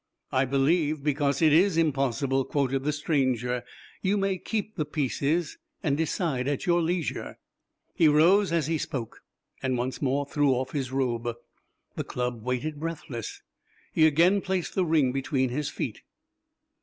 "'I believe because it is impossible,'" quoted the stranger. "You may keep the pieces and decide at your leisure." He rose as he spoke, and once more threw off his robe. The Club waited breathless. He again placed the ring between his feet.